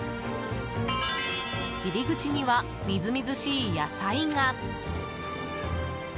入り口には、みずみずしい野菜が。